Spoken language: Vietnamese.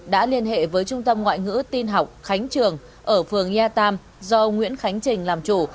đã liên hệ với trung tâm ngoại ngữ tin học khánh trường ở phường ye tam do nguyễn khánh trình làm chủ